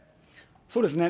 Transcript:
そうですね。